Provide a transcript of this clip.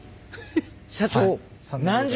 社長。